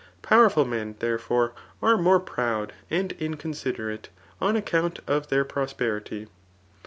Powerful men, therefore, are more proud and inconsiderate, on account of their prosperity.